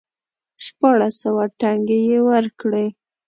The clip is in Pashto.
شپاړس سوه ټنګې یې ورکړې.